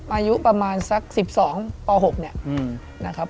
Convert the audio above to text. อายุประมาณสัก๑๒ป๖เนี่ย